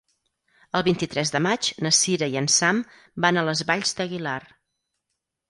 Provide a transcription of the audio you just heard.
El vint-i-tres de maig na Sira i en Sam van a les Valls d'Aguilar.